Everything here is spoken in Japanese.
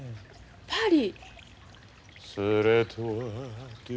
パリ？